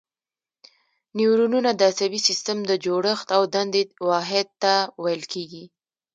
نیورونونه د عصبي سیستم د جوړښت او دندې واحد ته ویل کېږي.